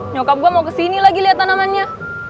nyokap gue mau kesini lagi lihat tanamannya